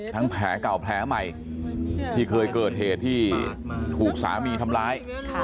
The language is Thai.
แผลเก่าแผลใหม่ที่เคยเกิดเหตุที่ถูกสามีทำร้าย